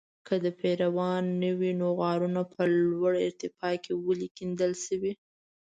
که د پیریانو نه وي نو غارونه په لوړه ارتفاع کې ولې کیندل شوي.